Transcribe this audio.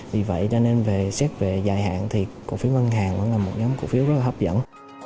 vì vậy cho nên về xét về dài hạn thì cổ phiếu ngân hàng vẫn là một nhóm cổ phiếu rất hấp dẫn